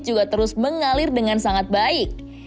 juga terus mengalir dengan sangat baik